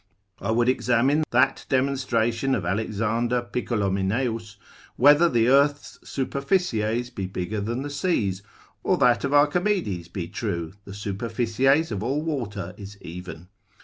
I would examine that demonstration of Alexander Picolomineus, whether the earth's superficies be bigger than the seas: or that of Archimedes be true, the superficies of all water is even?